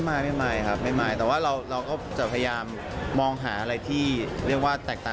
ไม่ไม่ครับไม่แต่ว่าเราก็จะพยายามมองหาอะไรที่เรียกว่าแตกต่าง